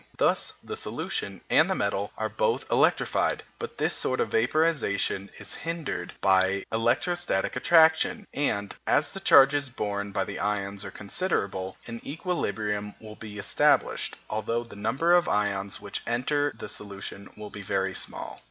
Thus the solution and the metal are both electrified; but this sort of vaporization is hindered by electrostatic attraction, and as the charges borne by the ions are considerable, an equilibrium will be established, although the number of ions which enter the solution will be very small.